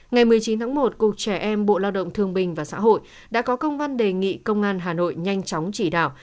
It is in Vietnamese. ngày một mươi chín tháng một cục trẻ em bộ lao động thương bình và xã hội đã có công văn đề nghị công an hà nội nhanh chóng chỉ đạo